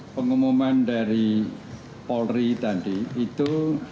pengumuman dari polri tadi itu